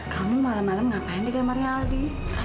kamu malam malam ngapain di kamarnya aldi